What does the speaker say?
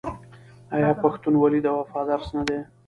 آیا پښتونولي د وفا درس نه دی؟